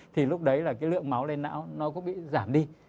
thì lúc đấy là cái lượng máu lên não nó cũng bị giảm đi